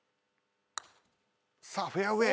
さあフェアウエー。